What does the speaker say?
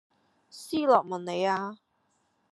斯洛文尼亞